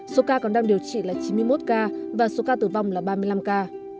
số ca còn đang điều trị là chín mươi một ca và số ca tử vong là ba mươi năm ca